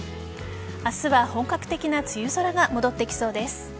明日は本格的な梅雨空が戻ってきそうです。